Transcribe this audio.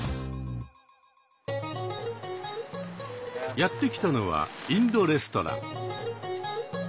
やって来たのはインドレストラン。